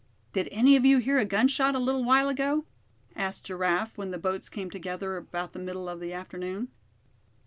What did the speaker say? "Did any of you hear a gunshot a little while ago?" asked Giraffe, when the boats came together about the middle of the afternoon.